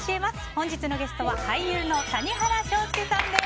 本日のゲストは俳優の谷原章介さんです。